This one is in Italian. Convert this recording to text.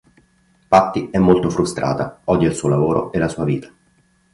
Patti è molto frustrata, odia il suo lavoro e la sua vita.